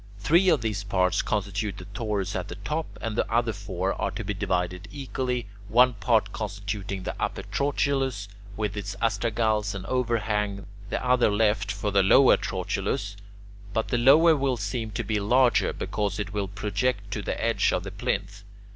Three of these parts constitute the torus at the top, and the other four are to be divided equally, one part constituting the upper trochilus with its astragals and overhang, the other left for the lower trochilus. But the lower will seem to be larger, because it will project to the edge of the plinth.